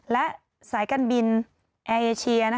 และสายการบินแอร์เอเชีย